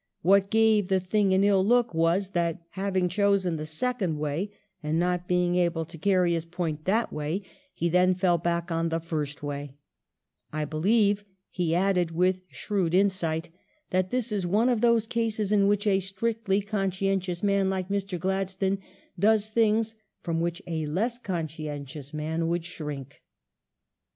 . what gave the thing an ill look was that, having chosen the second way and not being able to carry service 414 ADMLNISTRATIVE REFORM [1868 his point that way, he then fell back on the first way." "I believe," he added with shrewd insight, "that this is one of those cases in which a strictly conscientious man like Mr. Gladstone does things fi*om which a less conscientious man would shrink